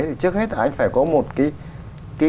thì trước hết anh phải có một cái